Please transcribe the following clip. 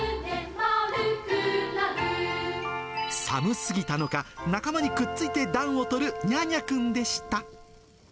寒すぎたのか、仲間にくっついて暖をとるニャーニャくんでした。